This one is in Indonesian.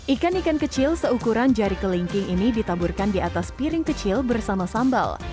ikan ikan kecil seukuran jari kelingking ini ditaburkan di atas piring kecil bersama sambal